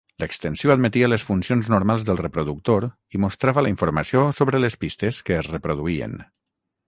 L'extensió admetia les funcions normals del reproductor i mostrava la informació sobre les pistes que es reproduïen.